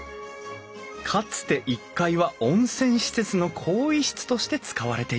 かつて１階は温泉施設の更衣室として使われていた。